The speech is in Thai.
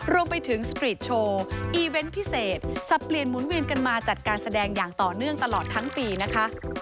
รวมไปถึงสตรีทโชว์อีเวนต์พิเศษสับเปลี่ยนหมุนเวียนกันมาจัดการแสดงอย่างต่อเนื่องตลอดทั้งปีนะคะ